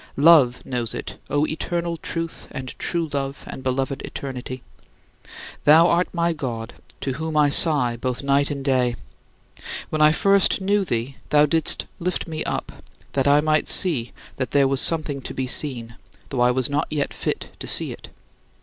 Love knows it, O Eternal Truth and True Love and Beloved Eternity! Thou art my God, to whom I sigh both night and day. When I first knew thee, thou didst lift me up, that I might see that there was something to be seen, though I was not yet fit to see it.